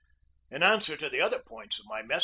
In answer to the other points of my message